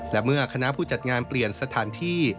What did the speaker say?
และเมื่อคณะผู้จัดงานเปลี่ยนสถานที่